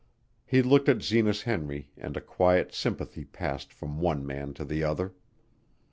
He looked at Zenas Henry and a quiet sympathy passed from one man to the other.